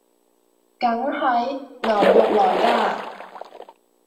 梗係！牛肉來㗎！